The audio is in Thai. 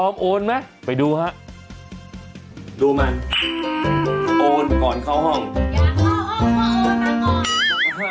งานนี้คุณผัวจะโยนกันไหม